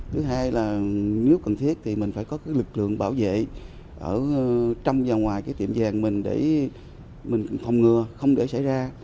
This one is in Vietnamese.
thứ hai là nếu cần thiết thì mình phải có lực lượng bảo vệ ở trong và ngoài tiệm giang mình để mình không ngừa không để xảy ra